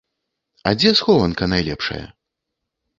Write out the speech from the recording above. А дзе схованка найлепшая?